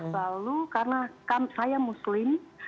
lalu karena saya muslim